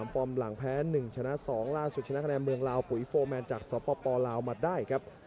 ฟอร์มหลังแพ้๑ชนะ๒ล่าสุดชนะคะแนนเมืองลาวปุ๋ยโฟร์แมนจากสปลาวมาได้ครับ